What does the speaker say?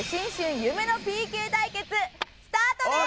夢のＰＫ対決スタートです！